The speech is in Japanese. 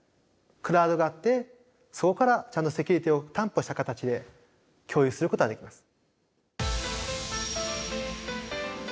クラウドがあってそこからちゃんとセキュリティーを担保した形で共有することができます。